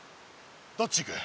どっち行く？